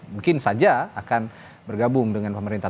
mungkin saja akan bergabung dengan pemerintah